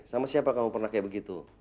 sama siapa kamu pernah kayak begitu